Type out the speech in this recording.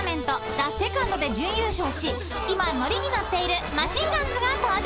ＴＨＥＳＥＣＯＮＤで準優勝し今ノリに乗っているマシンガンズが登場！］